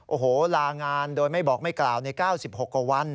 โอ้โหลางานโดยไม่บอกไม่กล่าวใน๙๖กว่าวัน